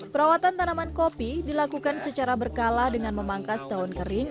perawatan tanaman kopi dilakukan secara berkala dengan memangkas daun kering